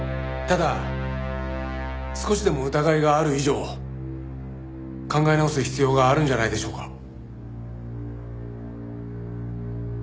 ただ少しでも疑いがある以上考え直す必要があるんじゃないでしょうか？